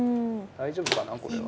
大丈夫かなこれは。